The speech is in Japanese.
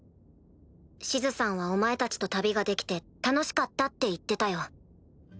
シズさんはお前たちと旅ができて楽しかったって言ってたよ。